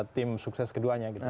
tim sukses keduanya